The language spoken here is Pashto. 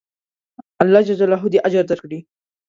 الله دې اجر درکړي.